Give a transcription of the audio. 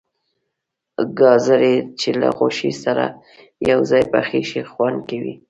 گازرې چې له غوښې سره یو ځای پخې شي خوند کوي.